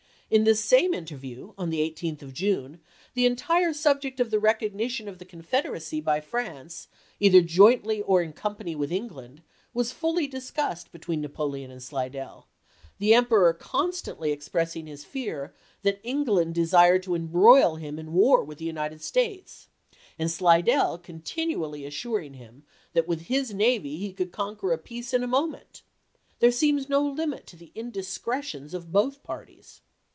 In this same interview of the 18th of June the entii^e subject of the recog im. nition of the Confederacy by France, either jointly or in company with England, was fully discussed between Napoleon and Slidell, the Emperor con stantly expressing his fear that England desired to embroil him in war with the United States, and Slidell continually assuring him that with his navy he could conquer a peace in a moment. There seems no limit to the indiscretions of both parties.